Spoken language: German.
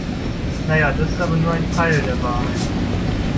Na ja, das ist aber nur ein Teil der Wahrheit.